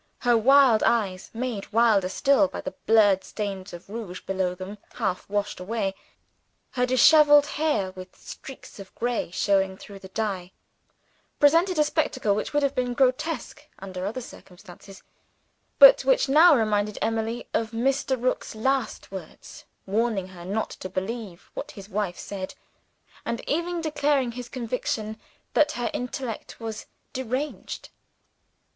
Her wild eyes, made wilder still by the blurred stains of rouge below them, half washed away her disheveled hair, with streaks of gray showing through the dye presented a spectacle which would have been grotesque under other circumstances, but which now reminded Emily of Mr. Rook's last words; warning her not to believe what his wife said, and even declaring his conviction that her intellect was deranged.